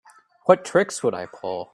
What tricks would I pull?